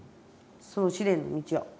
その試練の道を。